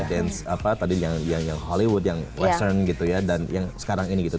dance apa tadi yang hollywood yang western gitu ya dan yang sekarang ini gitu